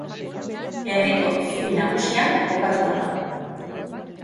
Herriko zubi nagusian kokatua dago.